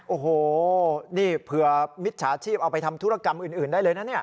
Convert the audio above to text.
โอ้โหนี่เผื่อมิจฉาชีพเอาไปทำธุรกรรมอื่นได้เลยนะเนี่ย